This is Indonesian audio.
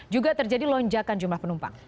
juga terjadi lonjakan jumlah penumpang